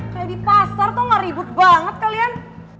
kayak di pasar tuh ngeribut banget kalian